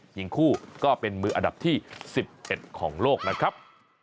หญิงคู่ก็เป็นมืออันดับที่๑๑ของโลกนะครับ